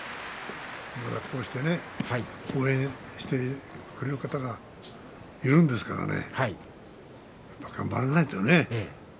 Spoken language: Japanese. こうして応援してくれる方がいるんですからね頑張らないとね。